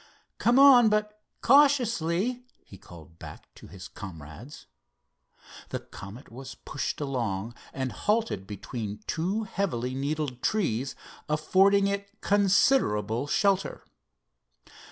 "Come on, but cautiously," he called back to his comrades. The Comet was pushed along and halted between two heavily needled trees, affording it considerable shelter.